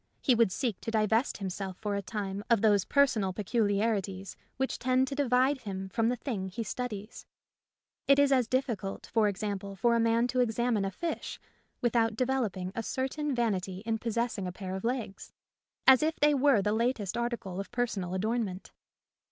He would seek to divest himself for a time of those personal peculiarities which tend to divide him from the thing he studies. It is as difficult, for example, for a man to examine a fish with out developing a certain vanity in possess A Defence of Humility ing a pair of legs, as if they were the latest article of personal adornment.